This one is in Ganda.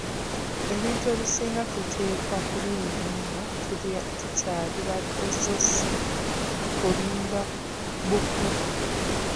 Ebintu ebisinga tuteekwa okubiyiga nga tukyali bato so si kulinda bukulu.